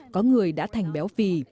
có người đã thành béo phì